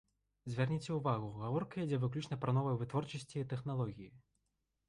Звярніце ўвагу, гаворка ідзе выключна пра новыя вытворчасці і тэхналогіі.